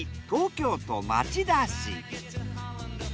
東京都町田市。